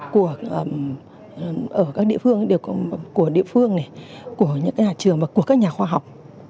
của các địa phương của địa phương này của những cái nhà trường và của các nhà khoa học